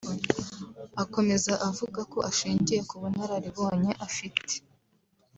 Akomeza avuga ko ashingiye ku bunararibonye afite